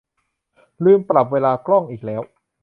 ลืมปรับเวลากล้องอีกแล้ว